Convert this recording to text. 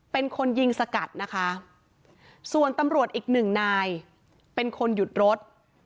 เป็นคนยิงสกัดนะคะส่วนตำรวจอีกหนึ่งนายเป็นคนหยุดรถ